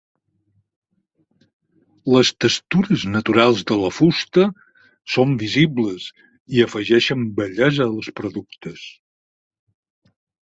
Les textures naturals de la fusta són visibles i afegeixen bellesa als productes.